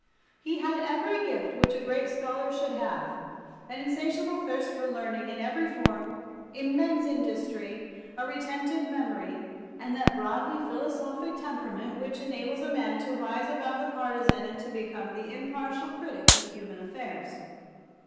He had every gift which a great scholar should have, an insatiable thirst for learning in every form, immense industry, a retentive memory, and that broadly philosophic temperament which enables a man to rise above the partisan and to become the impartial critic of human affairs.